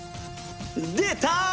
出た！